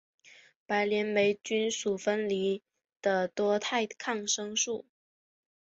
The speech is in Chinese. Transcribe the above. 自链霉菌属分离的多肽抗生素。